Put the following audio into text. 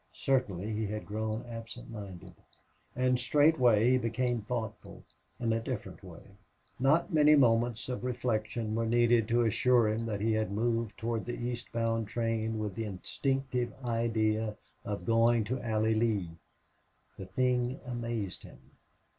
Certainly he had grown absentminded. And straightway he became thoughtful, in a different way. Not many moments of reflection were needed to assure him that he had moved toward the east bound train with the instinctive idea of going to Allie Lee. The thing amazed him.